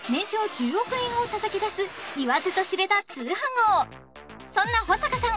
１０億円をたたき出す言わずと知れた通販王そんな保阪さん